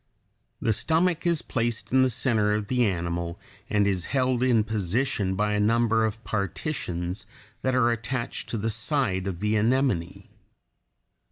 The stomach is placed in the center of the animal, and is held in position by a number of partitions that are attached to the side of the anemone.